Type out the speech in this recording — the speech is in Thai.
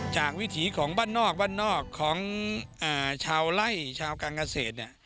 วิถีของบ้านนอกบ้านนอกของชาวไล่ชาวการเกษตรเนี่ย